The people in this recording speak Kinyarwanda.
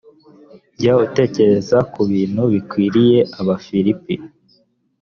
jya utekereza ku bintu bikwiriye abafilipi